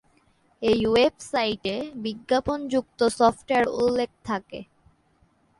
এই ওয়েবসাইটে "বিজ্ঞাপন যুক্ত সফটওয়্যার" উল্লেখ থাকে।